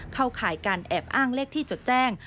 ข่ายการแอบอ้างเลขที่จดแจ้ง